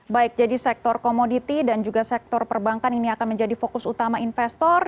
baik jadi sektor komoditi dan juga sektor perbankan ini akan menjadi fokus utama investor